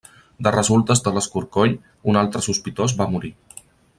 De resultes de l'escorcoll, un altre sospitós va morir.